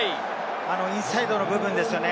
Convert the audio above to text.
インサイドの部分ですよね。